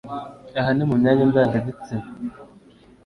Aha ni mu myanya ndangagitsina